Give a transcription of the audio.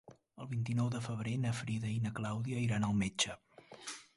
El vint-i-nou de febrer na Frida i na Clàudia iran al metge.